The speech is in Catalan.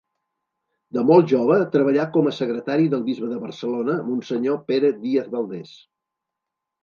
De molt jove treballà com a secretari del bisbe de Barcelona, Monsenyor Pere Díaz Valdés.